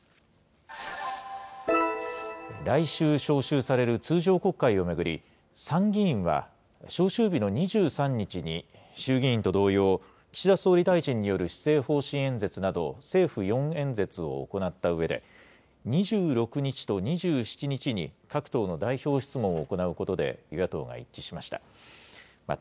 来週召集される通常国会を巡り、参議院は、召集日の２３日に、衆議院と同様、岸田総理大臣による施政方針演説など、政府４演説を行ったうえで、２６日と２７日に各党の代表質問を行うことで与野党が一致しました。